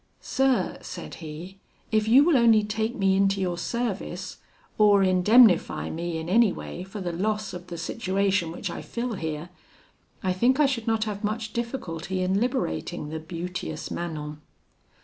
'Sir,' said he, 'if you will only take me into your service, or indemnify me in any way for the loss of the situation which I fill here, I think I should not have much difficulty in liberating the beauteous Manon.'